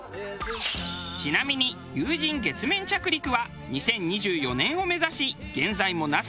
ちなみに有人月面着陸は２０２４年を目指し現在もＮＡＳＡで進行中。